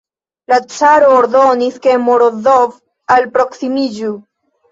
La caro ordonis, ke Morozov alproksimiĝu.